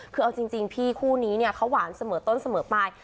คือเอาจริงพี่คู่นี้เนี่ยเขาหวานเสมอต้นเสมอไป